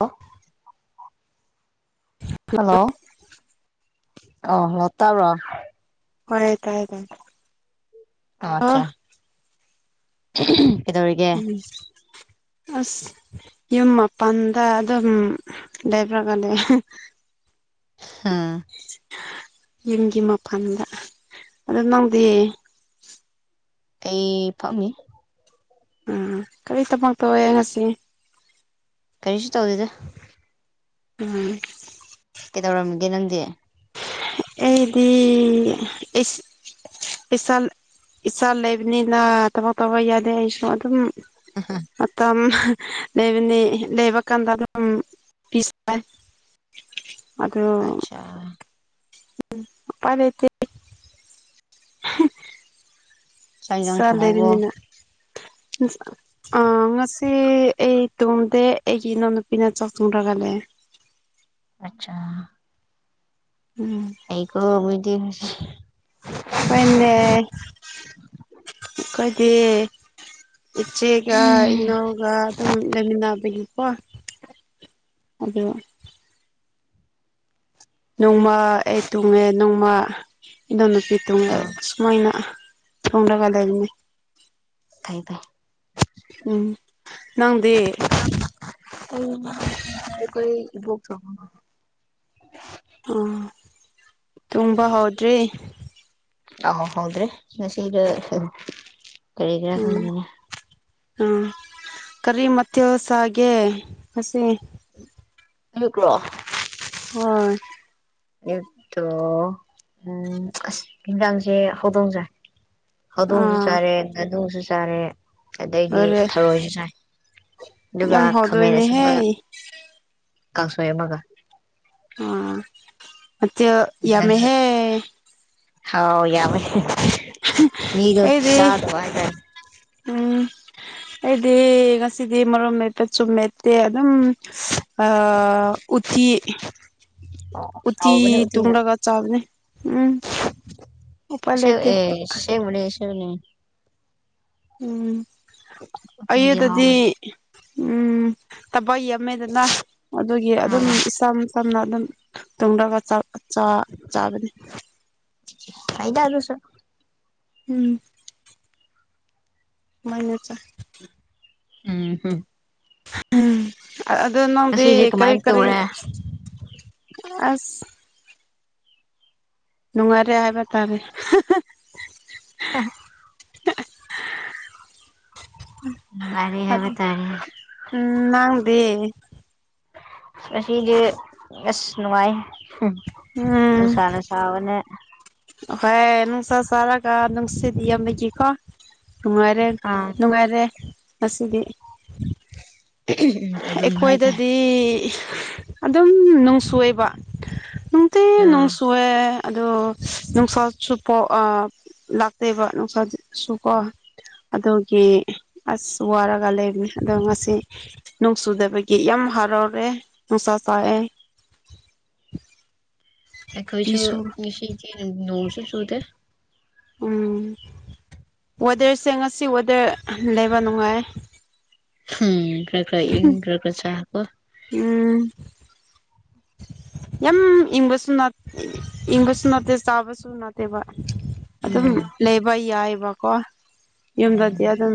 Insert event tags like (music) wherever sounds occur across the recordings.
ꯑꯣ ꯍꯂꯣ ꯑ ꯍꯂꯣ ꯇꯥꯕ꯭ꯔꯣ ꯍꯣꯏꯌꯦ ꯇꯥꯏꯌꯦ ꯇꯥꯏ ꯑꯥꯆꯥ ꯑꯣ ꯀꯩꯗꯧꯔꯤꯒꯦ ꯕꯤꯁ ꯑꯁ ꯌꯨꯝ ꯃꯥꯄꯟꯗ ꯑꯗꯨꯝ ꯂꯦꯞꯔꯒ ꯂꯩꯌꯦ ꯍ (inaudible) ꯍꯥꯥ ꯌꯨꯝꯒꯤ ꯃꯄꯥꯟꯗ ꯑꯗꯣ ꯅꯪꯗꯤ ꯑꯩ ꯐꯝꯃꯤ ꯎꯝ ꯀꯔꯤ ꯊꯕꯛ ꯇꯧꯌꯦ ꯉꯁꯤ ꯀꯔꯤꯁꯨ ꯇꯧꯗꯦꯗꯥ ꯎꯝ ꯀꯩꯗꯧꯔꯝꯒꯦ ꯅꯪꯗꯤ ꯑꯩꯗꯤ ꯑꯩꯁ ꯏꯆꯥ ꯏꯆꯥ ꯂꯩꯕꯅꯤꯅ ꯊꯕꯛ ꯇꯧꯕ ꯌꯥꯗꯦ ꯑꯩꯁꯨ ꯑꯗꯨꯝ ꯑꯍ ꯃꯇꯝ ꯂꯩꯕꯅꯤ ꯂꯩꯕꯀꯥꯟꯗ ꯑꯗꯨꯝ ꯄꯤꯁ ꯑꯣꯏ (inaudible) ꯑꯠꯆꯥ ꯎꯝ ꯎꯄꯥꯏ ꯂꯩꯇꯦ ꯆꯥꯛ ꯍꯦ ꯏꯟꯖꯥꯡ ꯆꯥ ꯊꯣꯡꯉꯕꯣ ꯂꯩꯔꯤꯅꯤꯅ ꯑꯥ ꯉꯁꯤ ꯑꯩ ꯇꯨꯝꯗꯦ ꯑꯩꯒꯤ ꯏꯅꯥꯎꯅꯨꯄꯤꯅ ꯆꯥꯛ ꯊꯣꯡꯗ꯭ꯔꯒ ꯂꯩꯌꯦ ꯑꯠꯆꯥ ꯎꯝ ꯑꯩꯀꯣ ꯋꯦꯗꯤꯡꯁ ꯋꯦꯟꯗꯦ ꯈꯣꯏꯗꯤ ꯏꯆꯦꯒ ꯏꯅꯥꯎꯒ ꯑꯗꯨꯝ ꯂꯩꯃꯤꯟꯅꯕꯒꯤ ꯍꯣꯏ ꯑꯗꯣ ꯅꯣꯡꯃ ꯑꯩ ꯇꯨꯡꯔꯦ ꯅꯣꯡꯃ ꯏꯅꯥꯎ ꯅꯨꯨꯄꯤ ꯇꯨꯡꯔ ꯃꯣꯏꯅ ꯊꯣꯡꯗ꯭ꯔꯒ ꯂꯩꯕꯅꯦ ꯐꯩ ꯐꯩ ꯎꯝ ꯅꯪꯗꯤ ꯎꯝ ꯑꯩꯈꯣꯏ ꯏꯕꯣꯛꯇꯣ ꯎꯝ ꯇꯨꯝꯕ ꯍꯧꯗ꯭ꯔꯤ ꯑꯧ ꯍꯧꯗꯦ ꯉꯁꯤꯒ ꯀꯔꯤ ꯀꯔꯤꯒ ꯎꯝ ꯈꯪꯗꯦꯅꯦ ꯎꯝ ꯀꯔꯤ ꯃꯊꯦꯜ ꯆꯥꯒꯦ ꯉꯁꯤ ꯑꯩꯕ꯭ꯔꯣ ꯍꯣꯏ ꯑꯌꯨꯠꯇꯣ ꯎꯝ ꯑꯁ ꯏꯟꯖꯥꯡꯁꯦ ꯍꯧꯗꯣꯡꯆꯥꯏ ꯍꯧꯗꯣꯡꯖꯨ ꯑꯥ ꯆꯥꯔꯦ ꯉꯥꯅꯨꯖꯨ ꯆꯥꯔꯦ ꯑꯗꯩꯗꯤ ꯂꯣꯏꯔꯦ ꯊꯔꯣꯏꯖꯨ ꯆꯥꯏ ꯑꯗꯨꯒ ꯌꯥꯝ ꯈꯥꯃꯦꯟ ꯍꯥꯎꯗꯣꯏꯅꯦꯍꯦ ꯑꯁꯤꯟꯕ ꯀꯥꯡꯁꯣꯏ ꯑꯃꯒ ꯎꯝ ꯃꯊꯦꯜ ꯅꯪꯗꯤ ꯌꯥꯝꯃꯦꯍꯦ ꯍꯥꯎ ꯌꯥꯝꯄꯦ ꯃꯤꯗꯣ ꯑꯩꯗꯤ ꯆꯥꯗꯕ ꯍꯥꯏꯇꯥꯔꯦ ꯎꯝ ꯑꯩꯗꯤ ꯉꯁꯤꯗꯤ ꯃꯣꯔꯣꯛ ꯃꯦꯠꯄ ꯆꯨꯝ ꯃꯦꯠꯇꯦ ꯑꯗꯨꯝ ꯑ ꯎꯇꯤ ꯎꯇꯤ ꯍꯥꯎꯕꯅꯦ ꯎꯇꯤꯅ ꯇꯨꯡꯂꯒ ꯆꯕꯅꯤ ꯎꯝ ꯎꯄꯥꯏ ꯑꯁꯦ ꯂꯩꯇꯦ ꯑꯦ ꯁꯦꯡꯕꯅꯦ ꯁꯦꯡꯕꯅꯦ ꯎꯇꯤꯗꯤ ꯑꯩꯑꯗꯨꯗꯤ ꯍꯥꯎꯕꯅꯦ ꯎꯝ ꯇꯕꯛ ꯌꯥꯝꯃꯦꯗꯅ ꯑꯗꯨꯒꯤ ꯑꯗꯨꯝ ꯑꯥ ꯏꯁꯝ ꯁꯝꯅ ꯑꯗꯨꯝ ꯇꯨꯡꯂꯒ ꯆꯥꯛ ꯆꯥ ꯆꯥꯕꯅꯤ ꯐꯩꯗ ꯑꯗꯨꯁꯨ ꯎꯝ ꯃꯥꯏꯅ ꯆꯥꯏ ꯎꯝ ꯍꯝ ꯎꯝ ꯑꯗꯨ ꯅꯪꯗꯤ ꯉꯁꯤꯁꯦ ꯀꯔꯤ ꯀꯃꯥꯏꯅ ꯀꯔꯤ ꯇꯧꯔꯦ ꯑꯁ ꯅꯨꯡꯉꯥꯏꯔꯦ ꯍꯥꯏꯕ ꯇꯥꯔꯦ ꯍꯦ ꯅꯨꯡꯉꯥꯏꯔꯦ (unintelligible) ꯍꯥꯏꯕ ꯇꯥꯔꯦ ꯎꯝ ꯅꯪꯗꯤ ꯑꯁꯤꯒꯤ ꯑꯁ ꯅꯨꯡꯉꯥꯏ ꯍꯝ ꯅꯨꯡꯁꯥꯅ ꯁꯥꯕꯅꯦ ꯑꯈꯣꯏ ꯅꯨꯡꯁꯥ ꯁꯥꯔꯒ ꯅꯨꯡꯁꯤꯠ ꯌꯥꯝꯕꯒꯤꯀꯣ ꯅꯨꯡꯉꯥꯏꯔꯦ ꯑꯥ ꯅꯨꯡꯉꯥꯏꯔꯦ ꯉꯁꯤꯗꯤ ꯑꯗꯨꯝ ꯍꯥꯏꯇꯥꯔꯦ ꯑꯩꯈꯣꯏꯗꯗꯤ ꯑꯗꯨꯝ ꯅꯣꯡ ꯆꯨꯑꯦꯕ ꯇꯤ ꯅꯣꯡ ꯑꯥ ꯆꯨꯋꯦ ꯑꯗꯣ ꯅꯨꯡꯁꯥꯁꯨ ꯄꯣꯛ ꯑꯥ ꯂꯥꯛꯇꯦꯕ ꯅꯨꯡꯁꯥ ꯁꯨ ꯀꯣ ꯑꯗꯨꯒꯤ ꯑꯁ ꯋꯥꯔꯒ ꯂꯩꯕꯅꯤ ꯑꯗꯣ ꯉꯁꯤ ꯅꯨꯡ ꯆꯨꯗꯕꯒꯤ ꯌꯥꯝ ꯍꯔꯥꯎꯔꯦ ꯅꯨꯡꯁꯥ ꯁꯥꯑꯦ ꯑꯩꯈꯣꯏꯁꯨ ꯐꯤꯁꯨ ꯉꯁꯤꯒꯤ ꯅꯣꯡꯁꯨ ꯆꯨꯗꯦ ꯎꯝ ꯋꯦꯗꯔꯁꯦ ꯉꯁꯤ ꯋꯦꯗꯔ ꯂꯩꯕ ꯅꯨꯡꯉꯥꯏꯌꯦ ꯎꯝ ꯈ꯭ꯔ ꯈ꯭ꯔ ꯏꯪ ꯈ꯭ꯔ ꯈ꯭ꯔ ꯁꯥ ꯀꯣ ꯎꯝ ꯌꯥꯝ ꯏꯪꯕꯁꯨꯅꯠ ꯏꯪꯕꯁꯨꯅꯠꯇꯦ ꯆꯥꯕꯁꯨꯅꯠ ꯂꯩꯕ ꯑꯗꯨꯝ ꯂꯩꯕ ꯌꯥꯏꯑꯕꯀꯣ ꯎꯝ ꯌꯨꯝꯗꯗꯤ ꯑꯗꯨꯝ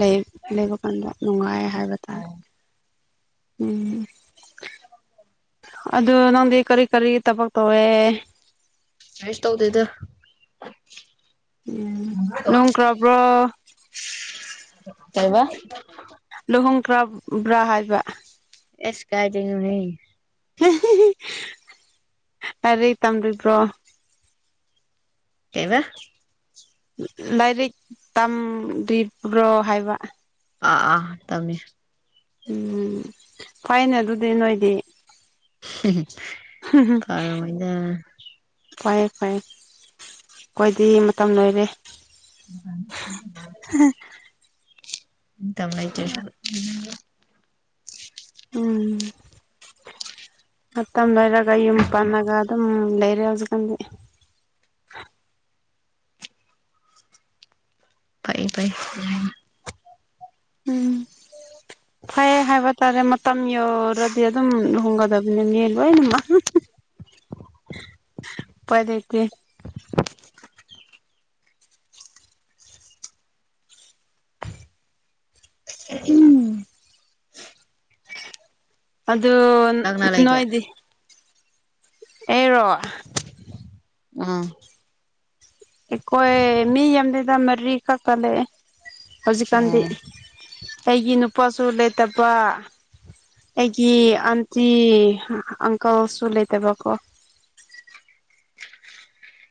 ꯂꯩ ꯂꯩꯕ ꯀꯥꯟꯗ ꯅꯨꯡꯉꯥꯏ ꯍꯥꯏꯕ ꯇꯥꯔꯦ ꯎꯝ ꯑꯗꯨ ꯅꯪꯗꯤ ꯀꯔꯤ ꯀꯔꯤ ꯇꯕꯛ ꯇꯧꯋꯦ ꯀꯩꯁꯨ ꯇꯧꯗꯦꯗ ꯎꯝ ꯂꯣꯡꯈ꯭ꯔꯕ꯭ꯔꯣ ꯀꯩꯕ ꯂꯨꯍꯣꯡꯈ꯭ꯔꯕ꯭ꯔꯥ ꯍꯥꯏꯕ ꯏꯁ ꯀꯥꯏꯗꯩꯅꯣꯍꯦ ꯍꯤꯍꯤꯍꯤ ꯑꯥꯏꯔꯤꯛ ꯇꯝꯗꯔꯤꯕ꯭ꯔꯣ ꯀꯩꯕꯥ ꯂꯥꯏꯔꯤꯛ ꯇꯝꯗ꯭ꯔꯤꯕ꯭ꯔꯣ ꯍꯥꯏꯕ ꯑꯥ ꯑꯥ ꯇꯝꯃꯤ ꯎꯝ ꯐꯩꯅꯦ ꯑꯗꯨꯗꯤ ꯅꯣꯏꯗꯤ ꯍꯨ ꯍꯨ ꯄꯔꯝꯃꯣꯏꯗ ꯐꯩꯌꯦ ꯐꯩꯌꯦ ꯑꯩꯈꯣꯏꯗꯤ ꯃꯇꯝ ꯂꯣꯏꯔꯦ (unintelligible) ꯃꯇꯝ ꯂꯩꯇ꯭ꯔꯁꯨ ꯎꯝ ꯃꯇꯝ ꯂꯣꯏꯔꯒ ꯌꯨꯝ ꯄꯥꯜꯂꯒ ꯑꯗꯨꯝ ꯂꯩꯔꯦ ꯍꯧꯖꯤꯛꯀꯥꯟꯗꯤ ꯐꯩ ꯐꯩ ꯎꯝ ꯐꯩ ꯍꯥꯏꯕ ꯇꯥꯔꯦ ꯃꯇꯝ ꯌꯧꯔꯗꯤ ꯑꯗꯨꯝ ꯂꯨꯍꯣꯡꯒꯗꯕ ꯅꯦꯅꯦ ꯂꯣꯏꯅꯃꯛ (unintelligible) ꯎꯄꯥꯏ ꯂꯩꯇꯦ ꯎꯝ ꯑꯗꯣ ꯅꯛꯅ ꯂꯩꯒꯦ ꯅꯣꯏꯗꯤ ꯑꯩꯔꯣ ꯎꯝ ꯑꯩꯈꯣꯏ ꯃꯤ ꯌꯥꯝꯗꯦꯗ ꯃꯔꯤ ꯈꯛꯇ ꯂꯩꯌꯦ ꯍꯧꯖꯤꯛꯀꯥꯟꯗꯤ ꯎꯝ ꯑꯩꯒꯤ ꯅꯨꯄꯥꯁꯨ ꯂꯩꯇꯕꯥ ꯑꯩꯒꯤ ꯑꯟꯇꯤ ꯑꯪꯀꯜꯁꯨ ꯂꯩꯇꯕꯀꯣ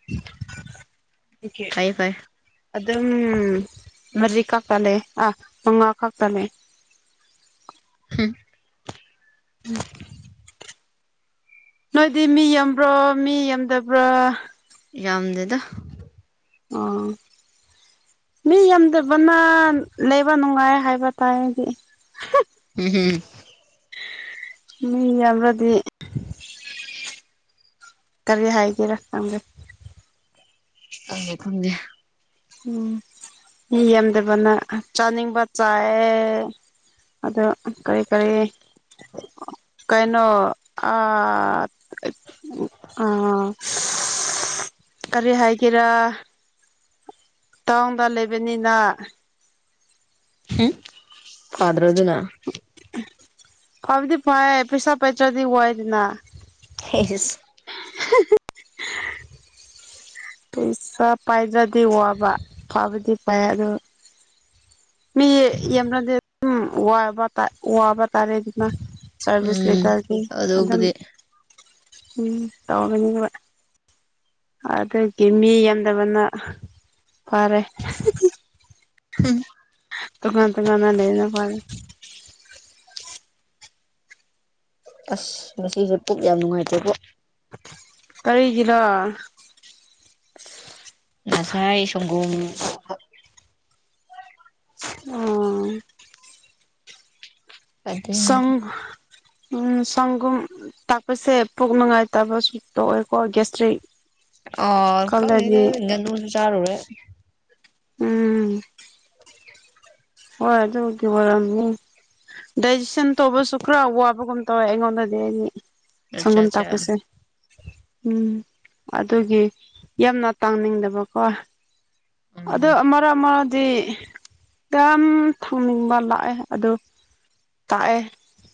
(unintelligible) ꯀꯩꯒꯤ ꯐꯩ ꯐꯩ ꯑꯗꯨꯝ ꯃꯔꯤ ꯀꯛꯇ ꯂꯩꯌꯦ ꯑꯥ ꯃꯉꯥ ꯈꯛꯇꯅꯦ ꯍꯝ (unintelligible) ꯅꯣꯏꯗꯤ ꯃꯤ ꯌꯥꯝꯕ꯭ꯔꯣ ꯃꯤ ꯌꯥꯝꯗꯕ꯭ꯔꯥ ꯌꯥꯝꯗꯦꯗꯥ ꯑꯥ ꯃꯤ ꯌꯥꯝꯗꯕꯅ ꯂꯩꯕ ꯅꯨꯡꯉꯥꯏ ꯍꯥꯏꯕ ꯇꯥꯏ ꯑꯩꯗꯤ ꯍꯥ ꯍꯦ ꯍꯦ ꯃꯤ ꯌꯥꯝꯔꯗꯤ ꯀꯔꯤ ꯍꯥꯏꯒꯦꯔꯥ ꯈꯪꯗꯦ ꯈꯪꯗꯦ ꯈꯪꯗꯦ ꯎꯝ ꯃꯤ ꯌꯥꯝꯗꯕꯅ ꯆꯥꯅꯤꯡꯕ ꯆꯥꯏꯑꯦ ꯑꯗꯣ ꯀꯔꯤ ꯀꯔꯤ ꯀꯩꯅꯣ ꯑꯥ ꯑꯩ ꯎꯝ ꯑꯥ ꯀꯔꯤ ꯍꯥꯏꯒꯦꯔꯥ ꯇꯥꯎꯟꯗ ꯂꯩꯕꯅꯤꯅ ꯍꯝ ꯐꯥꯗ꯭ꯔꯣ ꯑꯗꯨꯅ ꯐꯥꯕꯨꯗꯤ ꯐꯥꯌꯦ ꯄꯩꯁꯥ ꯄꯥꯏꯗ꯭ꯔꯗꯤ ꯋꯥꯏꯗꯅ ꯍꯦꯁ ꯄꯩꯥꯁꯥ ꯄꯥꯏꯗ꯭ꯔꯗꯤ ꯋꯥꯕ ꯐꯥꯕꯗꯤ ꯐꯥꯏ ꯑꯗꯨ ꯃꯤ ꯌꯥꯝꯔꯗꯤ ꯑꯗꯨꯝ ꯋꯥꯕ ꯇꯥ ꯋꯥꯕ ꯇꯥꯔꯦꯗꯅ ꯁꯥꯔꯚꯤꯁ ꯎꯝ ꯂꯩꯇ꯭ꯔꯒꯤ ꯑꯗꯨꯝ ꯑꯗꯨꯕꯨꯗꯤ ꯎꯝ ꯇꯧꯒꯅꯤꯡꯕ ꯑꯗꯨꯒꯤ ꯃꯤ ꯌꯥꯝꯗꯕꯅ ꯐꯥꯔꯦ ꯍꯝ ꯇꯣꯉꯥꯟ ꯇꯣꯉꯥꯟꯅ ꯂꯩꯕꯅ ꯐꯥꯔꯦ ꯑꯁ ꯉꯁꯤꯁꯦ ꯄꯨꯛ ꯌꯥꯝ ꯅꯨꯡꯉꯥꯏꯇꯦꯕꯣ ꯀꯔꯤꯒꯤꯔ ꯉꯁꯥꯏ ꯁꯪꯒꯨꯝ ꯑꯣ ꯁꯪ ꯑꯗꯨꯏꯅꯤꯗ ꯎꯝ ꯁꯪꯒꯨꯝ ꯇꯥꯛꯄꯁꯦ ꯄꯨꯛ ꯅꯨꯡꯉꯥꯏꯇꯕ ꯁꯨꯇꯣ ꯑꯣꯏꯀꯣ ꯒ꯭ꯌꯥꯁꯇ꯭ꯔꯤꯛ ꯑꯣ ꯈꯪꯗꯦꯗ ꯉꯥꯅꯨꯁꯨ ꯆꯥꯔꯨꯔꯦ ꯎꯝ ꯍꯣꯏ ꯑꯗꯨꯕꯨꯗꯤ ꯑꯣꯏꯔꯝꯅꯤ ꯗꯥꯏꯖꯦꯁꯟ ꯇꯧꯕꯁꯨ ꯈꯔ ꯋꯥꯕꯒꯨꯝ ꯇꯧꯋꯦ ꯑꯩꯉꯣꯟꯗꯗꯤ ꯑꯩꯗꯤ ꯑꯠꯆꯥ ꯁꯪꯒꯣꯝ ꯑꯠꯆꯥ ꯊꯛꯄꯁꯦ ꯎꯝ ꯑꯗꯨꯒꯤ ꯌꯥꯝꯅ ꯇꯪꯅꯤꯡꯗꯕꯀꯣ ꯎꯝ ꯑꯗꯨ ꯑꯃꯔꯛ ꯃꯔꯛꯗꯤ ꯌꯥꯝ ꯊꯨꯅꯤꯡꯕ ꯂꯥꯛꯑꯦ ꯑꯗꯨ ꯇꯥꯛꯑꯦ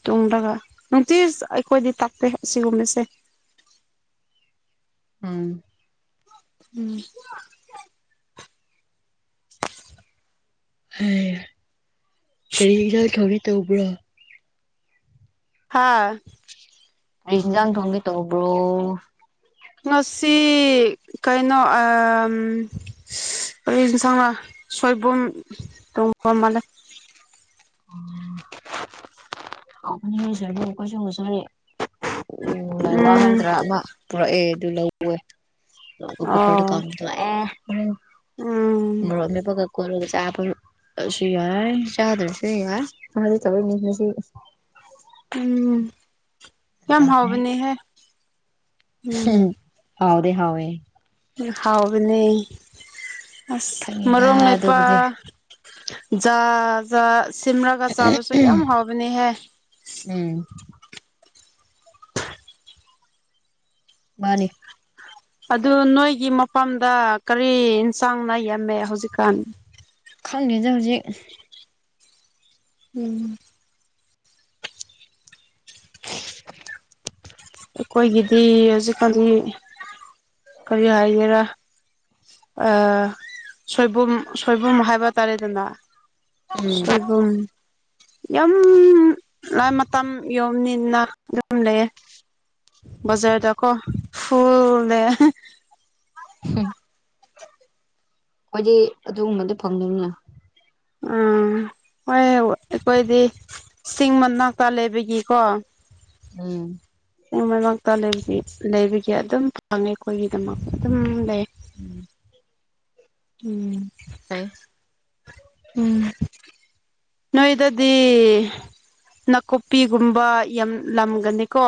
ꯇꯨꯡꯗꯒ ꯅꯨꯡꯇꯤꯁ ꯑꯩꯈꯣꯏꯗꯤ ꯇꯛꯇꯦ ꯁꯤꯒꯨꯝꯕꯁꯦ ꯎꯝ ꯎꯝ ꯍꯩ ꯀꯔꯤ ꯍꯤꯟꯖꯥꯡ ꯊꯣꯡꯒꯦ ꯇꯧꯕ꯭ꯔꯣ ꯍꯥꯥ ꯀꯔꯤ ꯍꯤꯟꯖꯥꯡ ꯊꯣꯡꯒꯦ ꯇꯧꯕ꯭ꯔꯣ ꯉꯁꯤ ꯀꯩꯅꯣ ꯑꯝ ꯀꯔꯤ ꯍꯤꯟꯁꯥꯡꯔ ꯁꯣꯏꯕꯨꯝ ꯊꯣꯡꯕ ꯃꯥꯜꯂꯦ (inaudible) (unintelligible) ꯎꯝ ꯂꯩꯋꯥ ꯎꯝ ꯍꯥꯏꯇ꯭ꯔꯥ ꯑꯃꯥ ꯄꯨꯔꯛꯑꯦ ꯑꯗꯨ ꯂꯧ ꯋꯦ ꯀꯨꯀꯔꯗ ꯑꯣ ꯀꯥꯝꯊꯣꯛꯑꯦ ꯍꯣꯔꯦꯟ (inaudible) ꯃꯣꯔꯣꯛ ꯃꯦꯠꯄꯒ ꯀꯣꯠꯂꯒ ꯆꯥꯕ ꯑꯁꯨ ꯌꯥꯏ ꯆꯥꯗꯔꯁꯨꯨ (unintelligible) ꯎꯝ ꯌꯥꯝ ꯇꯥꯗꯦ ꯍꯥꯎꯕꯅꯦꯍꯦ ꯎꯝ (unintelligible) ꯍꯥꯎꯗꯤ ꯍꯥꯎꯋꯦ ꯍꯥꯎꯕꯅꯦ ꯑꯁ ꯈꯪꯉꯤꯗ ꯃꯔꯨꯞ ꯃꯦꯠꯄ ꯑꯗꯨꯕꯨꯗꯤ ꯖꯥꯥ ꯖꯥ ꯁꯤꯝꯔꯥꯒ ꯆꯥꯕꯁꯨ ꯌꯥꯝ ꯍꯥꯎꯕꯅꯦꯍꯦ ꯎꯝ ꯃꯥꯅꯤ ꯑꯗꯨ ꯅꯣꯏꯒꯤ ꯃꯐꯝꯗ ꯀꯔꯤ ꯍꯤꯟꯁꯥꯡ ꯅ ꯌꯥꯝꯃꯦ ꯍꯧꯖꯤꯛꯀꯥꯟ ꯈꯪꯗꯦꯗ ꯍꯧꯖꯤꯛ ꯎꯝ ꯑꯈꯣꯏꯒꯤꯗꯤ ꯍꯧꯖꯤꯛꯀꯥꯟꯗꯤ ꯀꯔꯤ ꯍꯥꯏꯒꯦꯔꯥ ꯑꯥ ꯁꯣꯏꯕꯨꯝ ꯁꯣꯏꯕꯨꯝ ꯍꯥꯏꯕ ꯇꯥꯔꯦꯗꯅ ꯎꯝ ꯁꯣꯏꯕꯨꯝ ꯌꯥꯝ ꯂꯥꯟ ꯃꯇꯝ ꯌꯧꯕꯅꯤꯅ ꯑꯗꯨꯝ ꯂꯩꯌꯦ ꯕꯥꯖꯥꯔꯗꯀꯣ ꯐꯨꯜ ꯅꯦ (unintelligible) ꯍꯨꯝ ꯈꯣꯏꯗꯤ ꯑꯗꯨꯒꯨꯝꯕꯗꯣ ꯐꯪꯗꯝꯅꯤꯅ ꯎꯝ ꯍꯣꯏꯌꯕ ꯑꯩꯈꯣꯏꯗꯤ ꯆꯤꯡ ꯃꯅꯥꯛꯇ ꯂꯩꯕꯒꯤꯀꯣ ꯎꯝ ꯆꯤꯡ ꯃꯅꯥꯛꯇ ꯂꯩꯕꯩ ꯂꯩꯕꯒꯤ ꯑꯗꯨꯝ ꯐꯪꯉꯦ ꯑꯩꯈꯣꯏꯒꯤꯗꯃꯛ ꯑꯗꯨꯝ ꯂꯩ ꯎꯝ ꯎꯝ ꯎꯝ ꯅꯣꯏꯗꯗꯤ ꯅꯥꯀꯨꯞꯄꯤꯒꯨꯝꯕ ꯌꯥꯝ ꯂꯝꯒꯅꯤꯀꯣ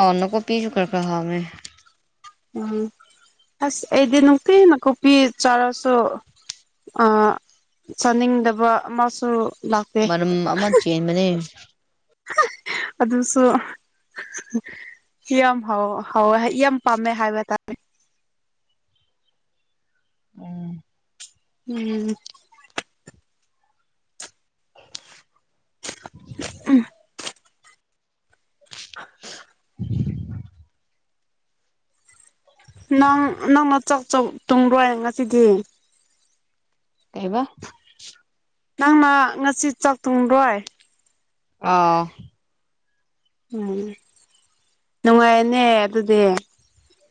ꯑꯥ ꯅꯥꯀꯨꯞꯄꯤꯁꯨ ꯈꯔ ꯈꯔ ꯍꯧꯋꯦ ꯎꯝ ꯑꯁ ꯑꯩꯗꯤ ꯅꯨꯡꯇꯤ ꯅꯥꯀꯨꯞꯄꯤ ꯆꯥꯔꯁꯨ ꯑꯥ ꯆꯥꯅꯤꯡꯗꯕ ꯑꯃꯁꯨ ꯂꯥꯛ ꯃꯅꯝ ꯑꯃ ꯆꯦꯟꯕꯅꯦ (unintelligible) ꯑꯗꯨꯁꯨ (unintelligible) ꯌꯥꯝ ꯍꯥꯎ ꯍꯥꯎꯋꯦ ꯍꯥꯏ ꯌꯥꯝ ꯄꯥꯝꯃꯦ ꯍꯥꯏꯕ ꯇꯥꯔꯦ ꯎꯝ ꯎꯝ ꯎꯝ ꯅꯪ ꯅꯪꯅ ꯆꯧ ꯆꯧ ꯇꯨꯡꯔꯣꯏ ꯉꯁꯤꯗꯤ ꯀꯩꯕ ꯅꯪꯅ ꯉꯁꯤ ꯆꯥꯛ ꯇꯨꯡꯔꯣꯏ ꯑꯥ ꯎꯝ ꯅꯨꯡꯉꯥꯏꯔꯦꯅꯦ ꯑꯗꯨꯗꯤ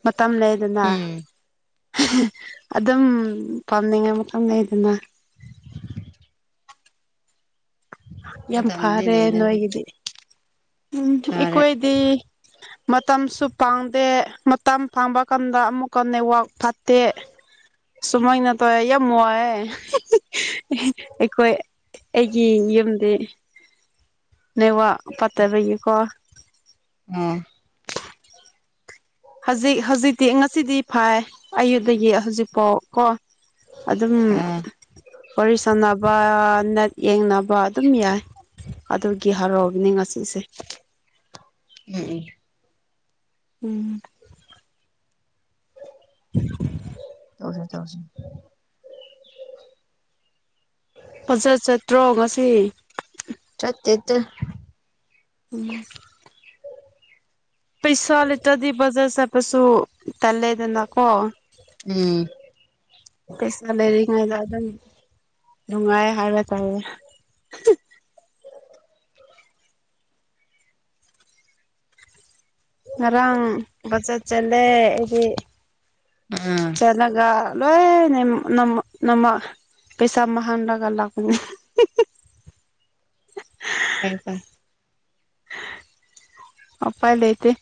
ꯃꯇꯝ ꯂꯩꯗꯅ ꯎꯝ (unintelligible) ꯑꯗꯨꯝ ꯄꯥꯝꯅꯤꯡꯉ ꯃꯐꯝ ꯂꯩꯗꯅ ꯌꯥꯝ ꯃꯇꯝꯗꯤ ꯐꯥꯔꯦ ꯂꯩꯔꯦ ꯑꯗꯨꯝ ꯅꯣꯏꯒꯤꯗꯤ ꯎꯝ ꯁꯥꯔꯦ ꯑꯩꯀꯣꯏꯗꯤ ꯃꯇꯝꯁꯨ ꯄꯥꯥꯡꯗꯦ ꯃꯇꯝ ꯐꯪꯕ ꯀꯥꯟꯗ ꯑꯃꯨꯛꯀ ꯅꯦꯠꯋꯥꯛ ꯐꯠ ꯇꯦ ꯁꯨꯃꯥꯏꯅ ꯇꯣꯋꯦ ꯌꯥꯝ ꯋꯥꯏꯌꯦ (unintelligible) (unintelligible) ꯑꯩꯈꯣꯏ ꯑꯩꯒꯤ ꯌꯨꯝꯗꯤ ꯅꯦꯋꯥꯥꯛ ꯐꯠꯇꯕꯒꯤꯀꯣ ꯎꯝ ꯍꯖꯤꯛ ꯍꯧꯖꯤꯛꯇꯤ ꯉꯁꯤꯗꯤ ꯐꯥꯏꯌꯦ ꯑꯌꯨꯗꯒꯤ ꯍꯧꯖꯤꯛꯄꯥꯎ ꯀꯣ ꯑꯗꯨꯝ ꯑꯥ ꯋꯥꯔꯤ ꯁꯥꯟꯅꯕ ꯅꯠ ꯌꯦꯡꯅꯕ ꯑꯗꯨꯝ ꯌꯥꯏ ꯑꯗꯨꯒꯤ ꯍꯔꯥꯎꯕꯅꯤ ꯉꯁꯤꯁꯦ꯫ ꯎꯝ ꯎꯝ꯫ ꯎꯝ꯫ (unintelligible) ꯇꯧꯁꯦ ꯇꯧꯁꯦ꯫ ꯄꯖꯠ ꯆꯠꯇ꯭ꯔꯣ ꯉꯁꯤ꯫ ꯆꯠꯇꯦꯗ꯫ ꯎꯝ꯫ ꯄꯩꯁꯥ ꯂꯩꯇꯗꯤ ꯕꯖꯥꯔ ꯆꯠꯄꯁꯨ ꯇꯜꯂꯦꯗꯅꯀꯣ꯫ ꯎꯝ ꯄꯩꯁꯥ ꯂꯩꯔꯤꯉꯩꯗ ꯑꯗꯨꯝ ꯅꯨꯡꯉꯥꯏ ꯍꯥꯏꯕ ꯇꯥꯏꯔꯦ꯫ ꯉꯔꯥꯡ ꯕꯖꯠ ꯆꯠꯂꯦ ꯑꯩꯗꯤ꯫ ꯑꯥ ꯆꯠꯂꯒ ꯂꯣꯏ ꯅꯦꯝ ꯅꯝ ꯅꯃꯥ ꯄꯩꯁꯥ ꯃꯍꯥꯟꯂꯒ ꯂꯥꯛꯄꯅꯤ (unintelligible) ꯇꯥꯏ ꯇꯥꯏ꯫ ꯑꫭꯄꯥꯏ ꯂꯩꯇꯦ꯫